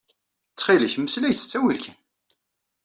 Ttxil-k, mmeslay s ttawil kan.